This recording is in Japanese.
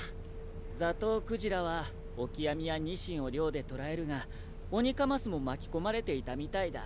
ザトウクジラはオキアミやニシンを漁で捕らえるがオニカマスも巻き込まれていたみたいだ。